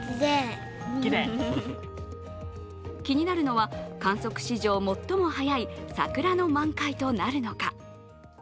気になるのは、観測史上最も早い桜の満開となるのか。